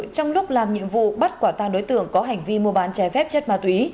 trong lúc làm nhiệm vụ bắt quả tang đối tượng có hành vi mua bán trái phép chất ma túy